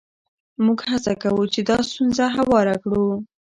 موږ هڅه کوو چې دا ستونزه هواره کړو.